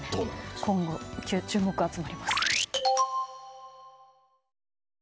今後、注目が集まります。